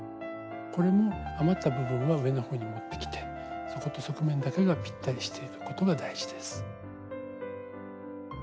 これも余った部分は上の方に持ってきて底と側面だけがぴったりしていることが大事です。